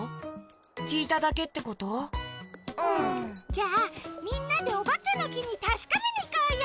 じゃあみんなでおばけのきにたしかめにいこうよ！